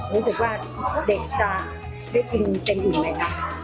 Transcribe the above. รู้สึกว่าเด็กจะได้กินเต็มอิ่มไหมคะ